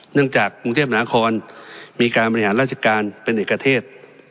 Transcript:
เนื่องจากกรุงเทพหนาคอนมีการบริหารราชการเป็นเอกเทศ